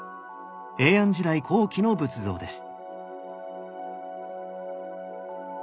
平安時代後期の仏像です。